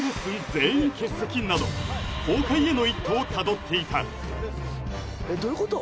全員欠席など崩壊への一途をたどっていたえどういうこと？